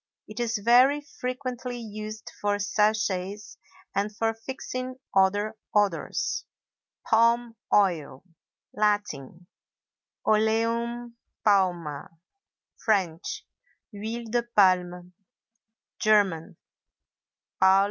It is very frequently used for sachets and for fixing other odors. PALM OIL. Latin—Oleum Palmæ; French—Huile de Palme; German—Palmöl.